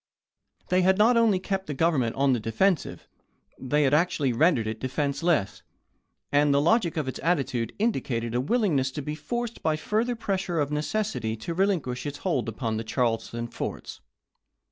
They had not only kept the Government on the defensive ; they had actually rendered it defenseless, and the logic of its attitude indicated a willingness to be forced by further pressure of necessity to relinquish its hold upon the Charleston forts.